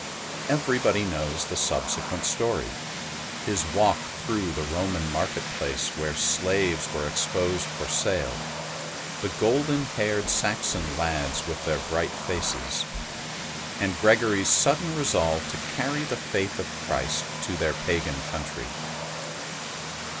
Everybody knows the subsequent story, his walk through the Roman market place where slaves were exposed for sale, the golden haired Saxon lads with their bright faces, and Gregory's sudden resolve to carry the faith of Christ to their pagan country.